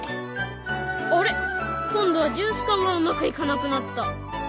今度はジュース缶がうまくいかなくなった！